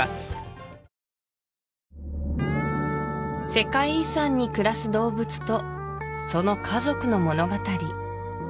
世界遺産に暮らす動物とその家族の物語